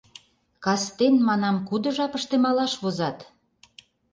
Кастен, манам, кудо жапыште малаш возат?